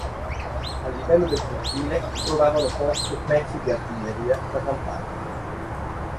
Al livello del cortile trovavano posto pezzi di artiglieria da campagna.